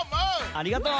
ありがとう！